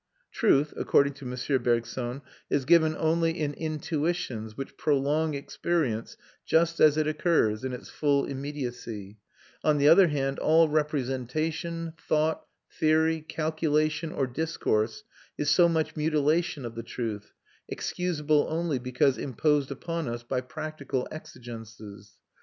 Truth, according to M. Bergson, is given only in intuitions which prolong experience just as it occurs, in its full immediacy; on the other hand, all representation, thought, theory, calculation, or discourse is so much mutilation of the truth, excusable only because imposed upon us by practical exigences.